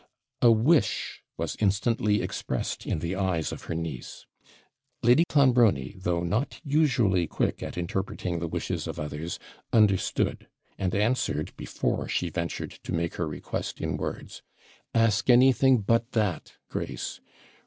A wish was instantly expressed in the eyes of her niece. Lady Clonbrony, though not usually quick at interpreting the wishes of others, understood and answered, before she ventured to make her request in words. 'Ask anything but THAT, Grace.